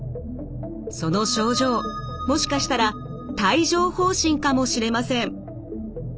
その症状もしかしたら帯状ほう疹かもしれません。